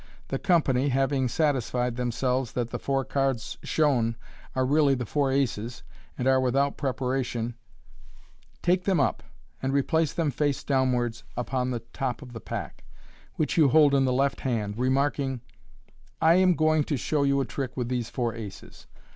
The company, having satisfied themselves that the four cards shown are really the four aces, and are without preparation, take them up, and replace them face downwards upon the top of the pack, which you hold in the left hand, remarking, '* I am going to show you a trick with these four aces.